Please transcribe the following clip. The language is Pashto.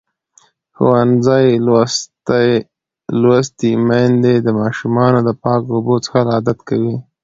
ښوونځې لوستې میندې د ماشومانو د پاکو اوبو څښل عادت کوي.